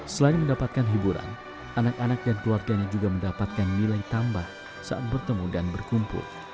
selain mendapatkan hiburan anak anak dan keluarganya juga mendapatkan nilai tambah saat bertemu dan berkumpul